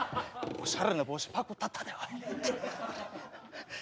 おしゃれな帽子パクったったでおい。